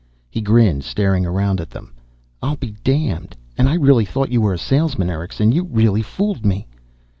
He grinned, staring around at them. "I'll be damned! And I really thought you were a salesman, Erickson. You really fooled me."